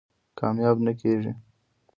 کامیاب نه کېږي.